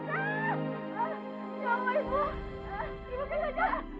iya ini pokoknya dipegang